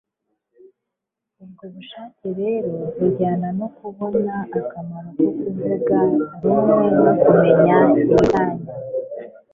ubwo bushake rero bujyana no kubona akamaro ko kuvuga rumwe no kumenya ibitanya